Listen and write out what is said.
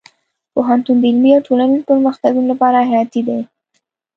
پوهنتون د علمي او ټولنیزو پرمختګونو لپاره حیاتي دی.